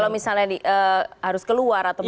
kalau misalnya harus keluar atau bagaimana